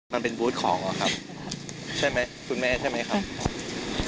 มันเป็นบูธของอะครับใช่ไหมคุณแม่ใช่ไหมครับ